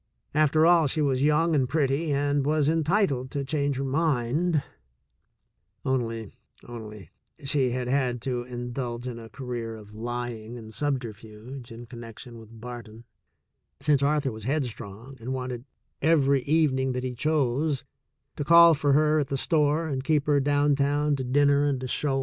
After all, she was young and pretty and was entitled to change her mind; only, only — she had had to in dulge in a career of lying and subterfuge in connec tion with Barton, since Arthur was headstrong and wanted every evening that he chose — to call for her at the store and keep her down town to dinner and a show.